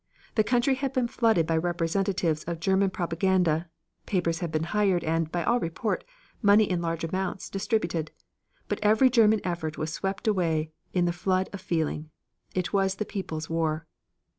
The country had been flooded by representatives of German propaganda, papers had been hired and, by all report, money in large amounts distributed. But every German effort was swept away in the flood of feeling. It was the people's war.